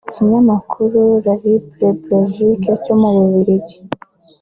Ikinyamakuru La Libre Belgique cyo mu Bubiligi